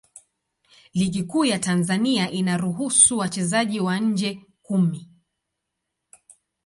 Ligi Kuu ya Tanzania inaruhusu wachezaji wa nje kumi.